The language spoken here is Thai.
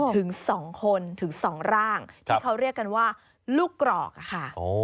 ถึง๒คนถึง๒ร่างที่เขาเรียกกันว่าลูกกรอกค่ะ